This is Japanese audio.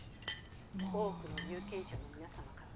多くの有権者の皆さま。